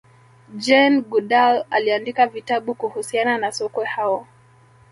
jane goodal aliandika vitabu kuhusiana na sokwe hao